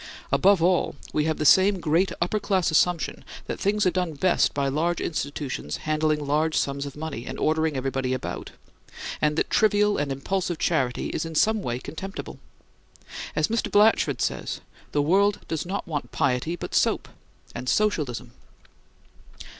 Above all, we have the same great upperclass assumption that things are done best by large institutions handling large sums of money and ordering everybody about; and that trivial and impulsive charity is in some way contemptible. As Mr. Blatchford says, "The world does not want piety, but soap and Socialism."